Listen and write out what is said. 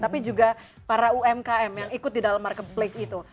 tapi juga para umkm yang ikut di dalam marketplace itu